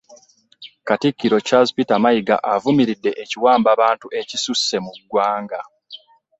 Katikkiro Charles Peter Mayiga avumiridde ekiwambabantu ekisusse mu ggwanga